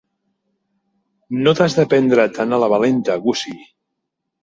No t'ho has de prendre tan a la valenta, Gussie.